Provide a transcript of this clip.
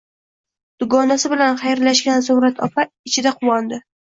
Dugonasi bilan xayrlashgan Zumrad opa ichida quvondi